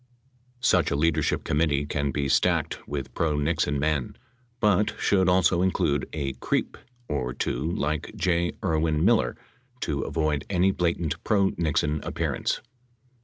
Such a leadership committee can be stacked with pro Nixon men, but should also include a creep or two like J. Irwin Miller to avoid any blatant pro Nixon appearance.